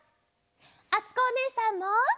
あつこおねえさんも！